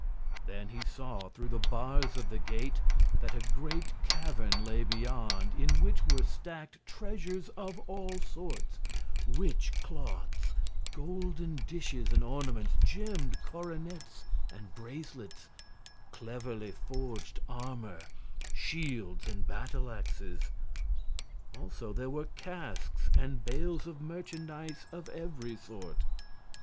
Then he saw, through the bars of the gate, that a great cavern lay beyond, in which were stacked treasures of all sorts: rich cloths, golden dishes and ornaments, gemmed coronets and bracelets, cleverly forged armor, shields and battle axes. Also there were casks and bales of merchandise of every sort.